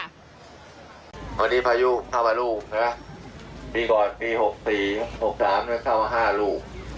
ตอนนี้พายุเข้ามาลูกหน่ะปีก่อนปีหกสี่หกสามเข้ามาห้ารู